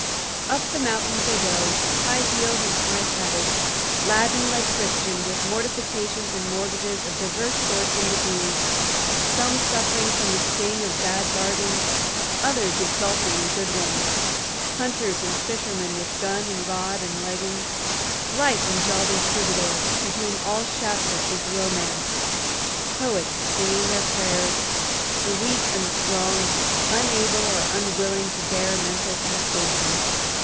Up the mountains they go, high heeled and high hatted, laden like Christian with mortifications and mortgages of divers sorts and degrees, some suffering from the sting of bad bargains, others exulting in good ones; hunters and fishermen with gun and rod and leggins; blythe and jolly troubadours to whom all Shasta is romance; poets singing their prayers; the weak and the strong, unable or unwilling to bear mental taxation.